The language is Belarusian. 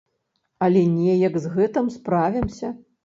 Але неяк з гэтым справімся.